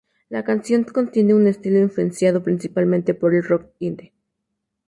La canción contiene un estilo influenciado principalmente por el rock indie.